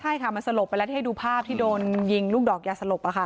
ใช่ค่ะมันสลบไปแล้วที่ให้ดูภาพที่โดนยิงลูกดอกยาสลบ